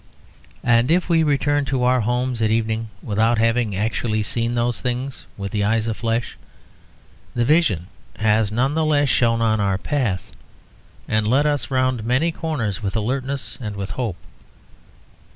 And if we return to our homes at evening without having actually seen these things with the eye of flesh, the vision has none the less shone on our path, and led us round many corners with alertness and with hope.